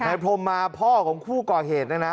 ในพรมมาพ่อของผู้ก่อเหตุนะ